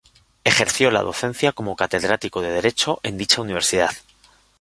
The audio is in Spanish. Ejerció la docencia como catedrático de Derecho en dicha universidad.